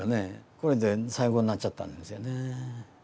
これで最後になっちゃったんですよね。